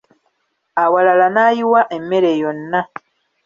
Awalala n'ayiwa emmere yonna.